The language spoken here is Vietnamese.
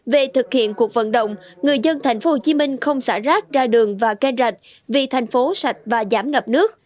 về thực hiện cuộc vận động người dân tp hcm không xả rác ra đường và ghen rạch vì thành phố sạch và giảm ngập nước